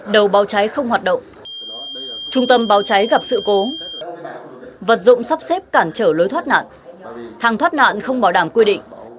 đầu báo cháy không hoạt động trung tâm báo cháy gặp sự cố vật dụng sắp xếp cản trở lối thoát nạn thang thoát nạn không bảo đảm quy định